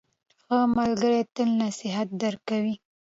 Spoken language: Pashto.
ښه ملګری تل نصیحت درکوي.